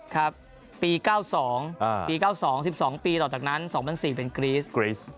ครับปี๑๙๙๒๑๒ปีต่อจากนั้น๒๐๐๔เป็นเกรียส